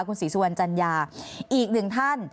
คุณศรีสุวรรณจัญญาอีกหนึ่งท่าน